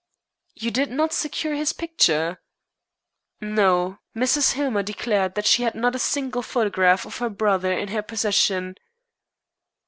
"You did not secure his picture?" "No. Mrs. Hillmer declared that she had not a single photograph of her brother in her possession."